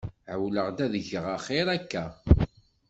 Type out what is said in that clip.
Ɛewleɣ-d ad geɣ axiṛ akka.